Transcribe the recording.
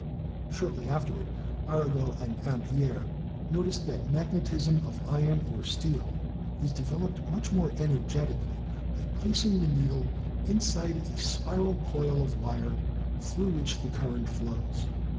Shortly afterward Arago and Ampere noticed that magnetism of iron or steel is developed much more energetically by plac ing the needle inside a spiral coil of wire through which the current flows.